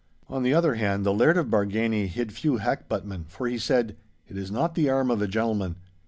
On the other hand, the Laird of Bargany hid few hackbuttmen, for he said, 'It is not the arm of a gen'leman.